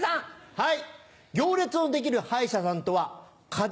はい。